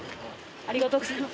ありがとうございます。